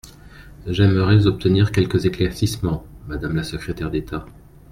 J’aimerais obtenir quelques éclaircissements, madame la secrétaire d’État.